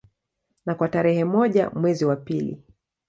Na kwa tarehe moja mwezi wa pili